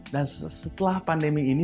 dan setelah pandemi ini